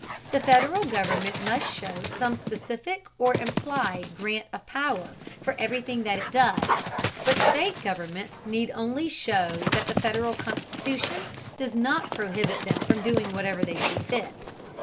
The Federal government must show some specific or implied grant of power for everything that it does, but state governments need only show that the Federal Constitution does not prohibit them from doing whatever they see fit.